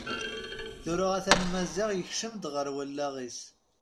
Tura a-t-an Maziɣ yekcem-d ɣer wallaɣ-is.